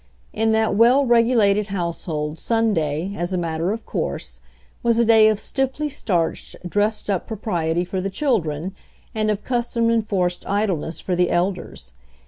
In that well regulated household Sunday, as a matter of course, was a day of stiffly starched, dressed up propriety for the children, and of custom enforced idleness for the elders.